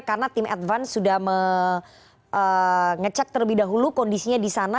karena tim advance sudah mengecek terlebih dahulu kondisinya di sana